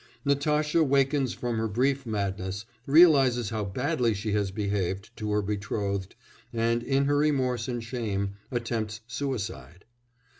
Natasha wakens from her brief madness, realises how badly she has behaved to her betrothed, and, in her remorse and shame, attempts suicide.